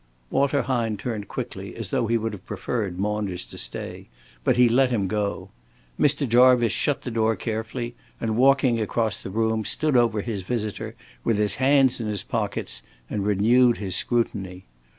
Walter Hine turned quickly, as though he would have preferred Maunders to stay, but he let him go. Mr. Jarvice shut the door carefully, and, walking across the room, stood over his visitor with his hands in his pockets, and renewed his scrutiny.